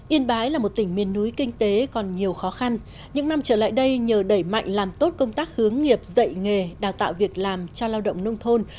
yên bái là một tỉnh miền núi kinh tế còn nhiều khó khăn những năm trở lại đây nhờ đẩy mạnh làm tốt công tác hướng nghiệp dạy nghề đào tạo việc làm cho lao động nông thôn